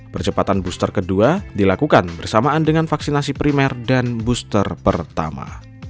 percepatan booster kedua dilakukan bersamaan dengan vaksinasi primer dan booster pertama